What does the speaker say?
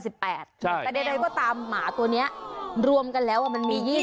เรียกได้ว่าตามหมาตัวนี้รวมกันแล้วว่ามันมี๒๐